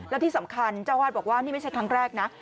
และที่สำคัญเจ้าวาดบอกว่านี่ไม่ใช่ครั้งแรกนะ